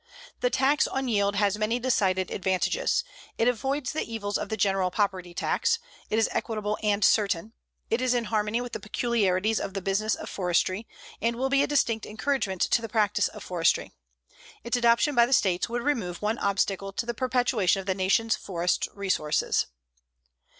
The tax on yield has many decided advantages. It avoids the evils of the general property tax. It is equitable and certain. It is in harmony with the peculiarities of the business of forestry, and will be a distinct encouragement to the practice of forestry. Its adoption by the States would remove one obstacle to the perpetuation of the nation's forest resources.